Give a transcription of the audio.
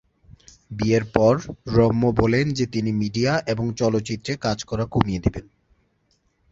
বিয়ের পর রম্য বলেন যে তিনি মিডিয়া এবং চলচ্চিত্রে কাজ করা কমিয়ে দেবেন।